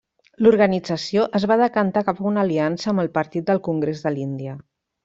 L'organització es va decantar cap a una aliança amb el Partit del Congrés de l'Índia.